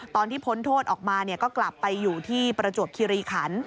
พ้นโทษออกมาก็กลับไปอยู่ที่ประจวบคิริขัน